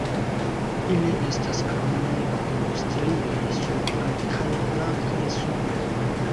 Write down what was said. Ili estas brunaj kun strioj supre kaj blankaj sube.